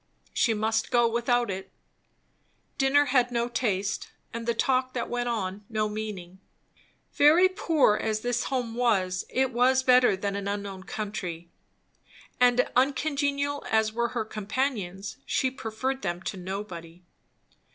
She must go without it. Dinner had no taste, and the talk that went on no meaning. Very poor as this home was, it was better than an unknown country, and uncongenial as were her companions, she preferred them to nobody.